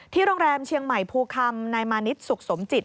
โรงแรมเชียงใหม่ภูคำนายมานิดสุขสมจิต